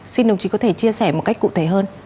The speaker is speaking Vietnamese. xin đồng chí có thể chia sẻ một cách cụ thể hơn